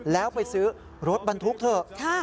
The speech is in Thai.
แล้วไปซื้อรถบรรทุกเถอะ